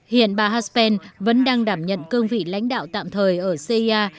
hiện bà haspen vẫn đang đảm nhận cương vị lãnh đạo tạm thời ở cia